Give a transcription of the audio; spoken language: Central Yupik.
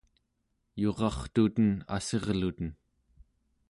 yurartuten assirluten